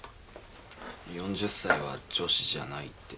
４０歳は女子じゃないって。